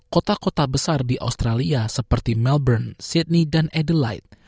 kota kota besar di australia seperti melbourne sydney dan adelaide